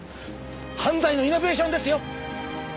犯罪のイノベーションですよ。